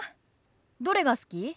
どれが好き？